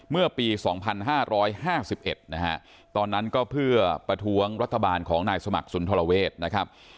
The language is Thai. เมื่อปี๒๕๕๑นะฮะตอนนั้นก็เพื่อประท้วงรัฐบาลของนายสมัครสุนทรเวศนะครับ